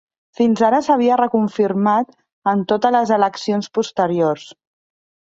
Fins ara s'havia reconfirmat en totes les eleccions posteriors.